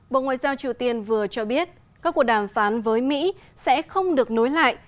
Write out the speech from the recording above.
bộ ngoại giao triều tiên vừa cho biết các cuộc đàm phán với mỹ sẽ không được nối lại